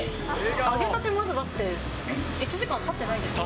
揚げたて、まだ１時間たってないですよね。